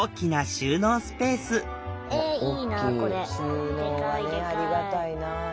収納はねありがたいな。